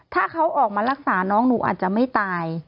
ถ้าเขาออกมารักษาน้องหนูอาจจะไม่ตาย